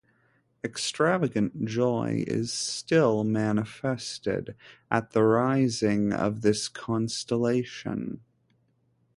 Extravagant joy is still manifested at the rising of this constellation.